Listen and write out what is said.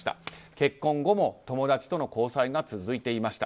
結婚後も友達との交際が続いていました。